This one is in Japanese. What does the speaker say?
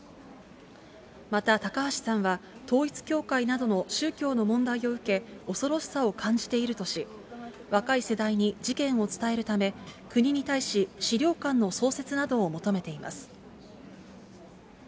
また高橋さんは、統一教会などの宗教の問題を受け、恐ろしさを感じているとし、若い世代に事件を伝えるため、国に対し資料館の創設などを求めています。